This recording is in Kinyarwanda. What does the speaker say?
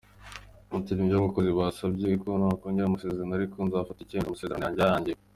Ati“ Nibyo abayobozi bansabye ko nakongera amasezerano ariko nzafata icyemezo amasezerano yanjye arangiye.